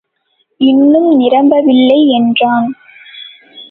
இன்னும் நிரம்பவில்லை என்றான்.